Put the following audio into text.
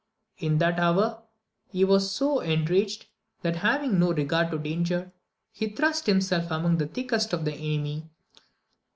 In that hour he was so en raged, that having no regard to danger, he thrust him self among the thickest of the enemy.